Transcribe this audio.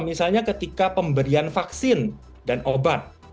misalnya ketika pemberian vaksin dan obat